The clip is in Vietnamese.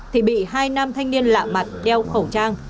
thì bị hai nam thanh niên lạ mặt đeo khẩu trang